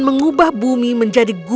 mungkin dia membalas dendam